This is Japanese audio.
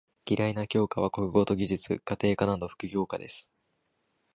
嫌いな教科は国語と技術・家庭科など副教科です。